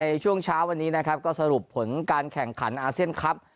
ในช่วงเช้าวันนี้นะครับก็สรุปผลการแข่งขันอาเซียนครับ